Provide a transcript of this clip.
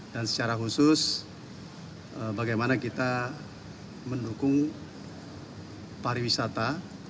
dan secara khusus bagaimana kita mendukung pariwisata